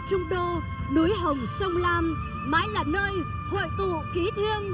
có người hy sinh có người bị thương